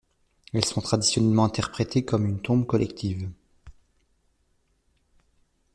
Elles sont traditionnellement interprétées comme une tombe collective.